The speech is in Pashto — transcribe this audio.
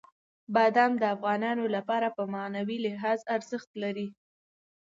بادام د افغانانو لپاره په معنوي لحاظ ارزښت لري.